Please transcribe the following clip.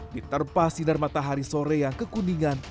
di terpas sidar matahari sore yang kekuningan